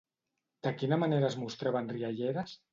De quina manera es mostraven rialleres?